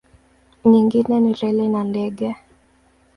Nyingine ni reli na ndege.